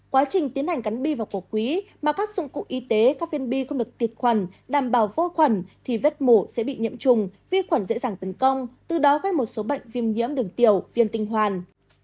quá trình tiến hành cắn bi vào cổ quý mà các dụng cụ y tế các viên bi không được tiệt khuẩn đảm bảo vô khuẩn thì vết mổ sẽ bị nhiễm trùng vi khuẩn dễ dàng tấn công từ đó gây một số bệnh viêm nhiễm đường tiểu viêm tinh hoàn